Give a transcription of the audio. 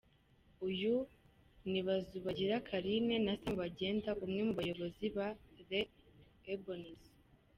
Uyu ni Bazubagira Carine na Sam Bagenda umwe mubayobozi ba "The Ebonies".